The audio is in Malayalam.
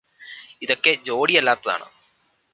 ഇതൊക്കെ ജോടിയല്ലാത്തതാണ്